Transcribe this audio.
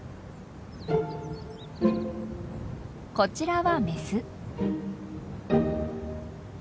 こちらはメス。